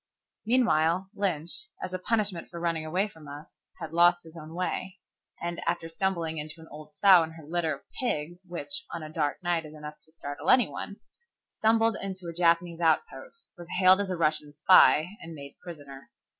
Meanwhile, Lynch, as a punishment for running away from us, lost his own way, and, after stumbling into an old sow and her litter of pigs, which on a dark night is enough to startle any one, stumbled into a Japanese outpost, was hailed as a Russian spy, and made prisoner.